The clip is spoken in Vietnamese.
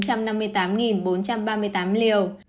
mũi ba hai mươi tám bốn trăm năm mươi tám bốn trăm ba mươi tám liều